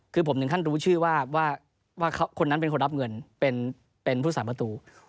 คือผมถึงขั้นรู้ชื่อว่าคนนั้นเป็นคนรับเงินเป็นผู้สาประตู